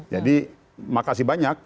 jadi makasih banyak